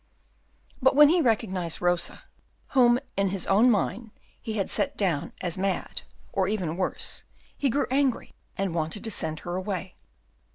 But when he recognised Rosa, whom in his own mind he had set down as mad, or even worse, he grew angry, and wanted to send her away.